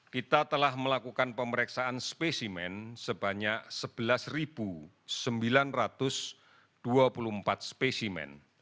kita telah melakukan pemeriksaan spesimen sebanyak sebelas sembilan ratus dua puluh empat spesimen